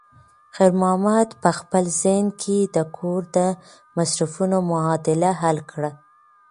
خیر محمد په خپل ذهن کې د کور د مصرفونو معادله حل کړه.